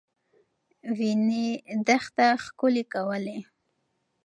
وینې دښته ښکلې کولې.